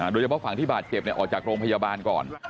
โดยเฉพาะฝั่งที่บาดเจ็บออกจากโรงพยาบาลก่อน